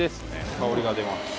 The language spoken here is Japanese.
香りが出ます